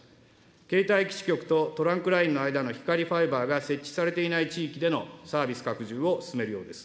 携帯基地局とトランクラインの間の光ファイバーが設置されていない地域でのサービス拡充を進めるようです。